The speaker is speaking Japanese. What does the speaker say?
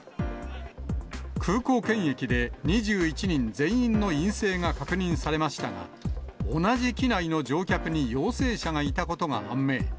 空港検疫で２１人全員の陰性が確認されましたが、同じ機内の乗客に陽性者がいたことが判明。